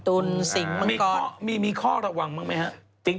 ตุ๋นสิงมันก่อนมีข้อระวังบ้างไหมครับ